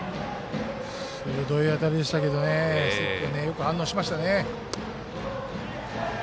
鋭い当たりでしたけど関君がよく反応しましたね。